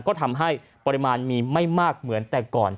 ก็ทำให้ปริมาณมีไม่มากเหมือนแต่ก่อน